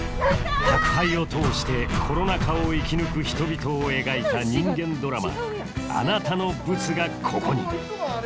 宅配を通してコロナ禍を生き抜く人々を描いた人間ドラマ「あなたのブツが、ここに」